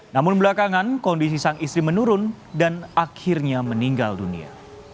namun belakangan kondisi sang istri menurun dan akhirnya meninggal dunia